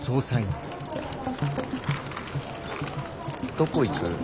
どこ行く？